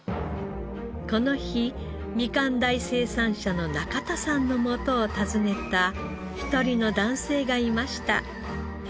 この日みかん鯛生産者の中田さんの元を訪ねた一人の男性がいました。